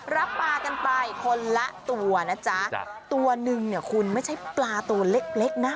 รับปลากันไปคนละตัวนะจ๊ะตัวหนึ่งเนี่ยคุณไม่ใช่ปลาตัวเล็กเล็กนะ